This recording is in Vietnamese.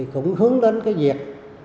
cũng hướng đến việc